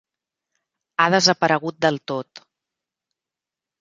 Ha desaparegut del tot.